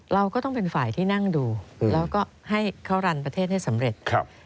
เราก็ต้องเป็นฝ่ายที่นั่งดูแล้วก็ให้เขารันประเทศให้สำเร็จ